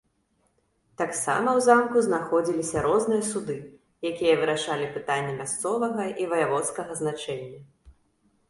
Таксама ў замку знаходзіліся розныя суды, якія вырашалі пытанні мясцовага і ваяводскага значэння.